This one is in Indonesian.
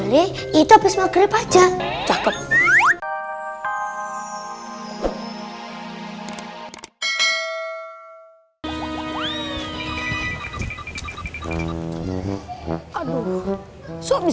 siapa belakang sobi